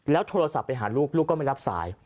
โทรศัพท์ไปหาลูกลูกก็ไม่รับสาย